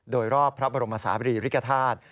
โดยรอบพระบรมศาบรีริกฐาตุ